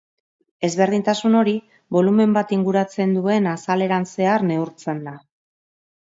Ezberdintasun hori bolumen bat inguratzen duen azaleran zehar neurtzen da.